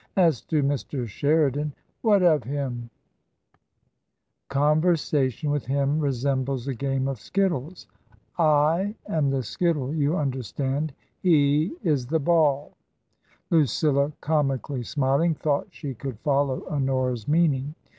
As to Mr. Sheridan "" What of him ?"" Conversation with him resembles a game of skittles. / am the skittle, you understand. He is the ball." it it 168 TRANSITION. Lucilla, comically smiling, thought she could follow Honora's meaning.